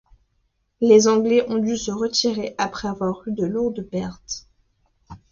Les Anglais ont dû se retirer après avoir eu de lourdes pertes.